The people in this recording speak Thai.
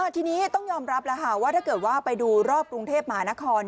ทีนี้ต้องยอมรับแล้วว่าถ้าเกิดว่าไปดูรอบกรุงเทพหมานคร